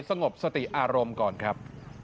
สงบสติอารมณ์ก่อนครับ